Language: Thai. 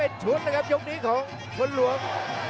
เย็นไม่กว่านะครับยกนี้ของวันหลวง